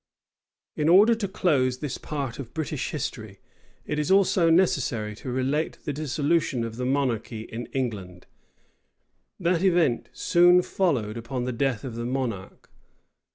In order to close this part of British history, it is also necessary to relate the dissolution of the monarchy in England: that event soon followed upon the death of the monarch.